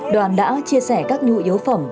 đoàn đã chia sẻ các nhu yếu phẩm